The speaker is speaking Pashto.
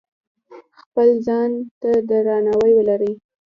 خپل ځان ته درناوی ولرئ.